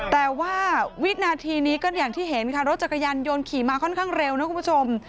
แต่ว่าวินาทีนี้ก็อย่างที่เห็นค่ะรถจักรยานยนต์ขี่มาค่อนข้างเร็วนะคุณผู้ชม